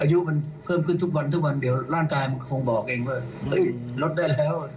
อายุมันเพิ่มขึ้นทุกวันทุกวันเดี๋ยวร่างกายมันคงบอกเองว่าเฮ้ยลดได้แล้ว